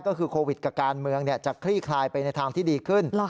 ก็คือโควิดกับการเมืองจะคลี่คลายไปในทางที่ดีขึ้น